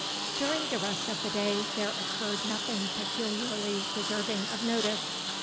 During the rest of the day, there occurred nothing peculiarly deserving of notice.